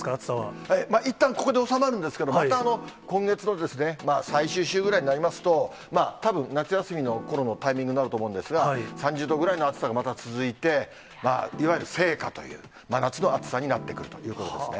いったんここで収まるんですけど、また今月の最終週ぐらいになりますと、たぶん夏休みのころのタイミングになると思うんですが、３０度ぐらいの暑さがまた続いて、いわゆる盛夏という、真夏の暑さになってくるということですね。